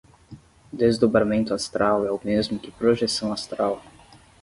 Desdobramento astral é o mesmo que projeção astral